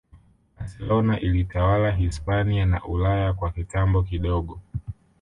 Barcelona ilitawala Hispania na Ulaya kwa kitambo kidogo